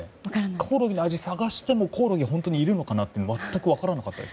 コオロギの味を探しても本当にコオロギがいるっていうのが全く分からなかったです。